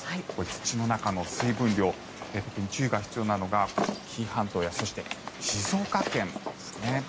土の中の水分量特に注意が必要なのが紀伊半島や静岡県ですね。